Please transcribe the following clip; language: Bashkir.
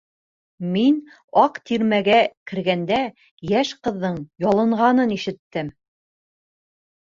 Мин аҡ тирмәгә кергәндә йәш ҡыҙҙың ялынғанын ишеттем.